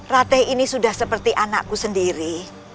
rate ini sudah seperti anakku sendiri